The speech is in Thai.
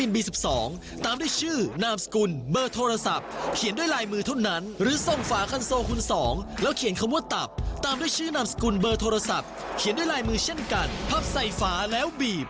ไปดูกติกาและไปลุ้นผู้ช่องดีกันเลย